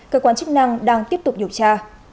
cơ quan chức năng đang tiếp tục điều tra